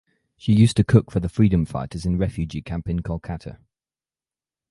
She used to cook for the freedom fighters in refugee camp in Kolkata.